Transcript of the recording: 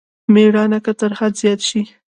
مېړانه که تر حد زيات شي.